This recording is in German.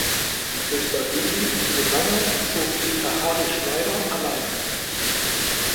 Die Töchter Lili und Susanne erzog Eta Harich-Schneider alleine.